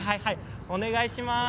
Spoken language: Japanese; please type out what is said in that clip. お願いします。